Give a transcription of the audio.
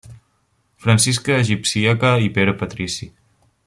Francisca Egipcíaca i Pere Patrici.